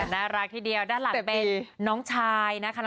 น่ารักทีเดียวด้านหลังเป็นน้องชายนะคะ